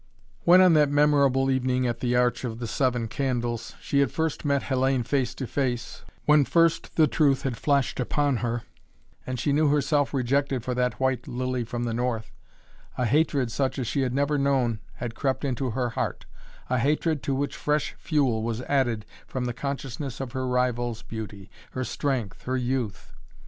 When, on that memorable evening at the Arch of the Seven Candles, she had first met Hellayne face to face, when first the truth had flashed upon her and she knew herself rejected for that white lily from the North, a hatred such as she had never known had crept into her heart, a hatred to which fresh fuel was added from the consciousness of her rival's beauty, her strength, her youth.